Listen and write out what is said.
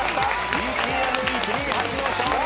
ＢＰＭ１２８の勝利。